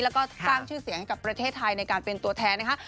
แล้วก็สร้างชื่อเสียงให้กับประเทศไทยในการเป็นตัวแทนนะคะ